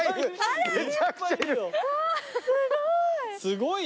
すごい！